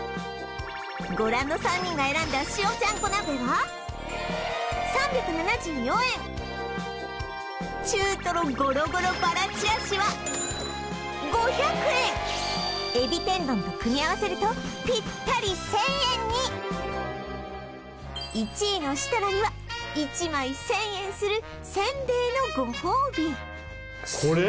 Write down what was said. ご覧の３人が選んだ塩ちゃんこ鍋は３７４円中トロごろごろバラちらしは５００円えび天丼と組み合わせるとぴったり１０００円に１位の設楽には１枚１０００円するせんべいのごほうびこれ？